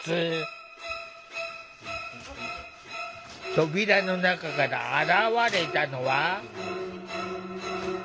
扉の中から現れたのは。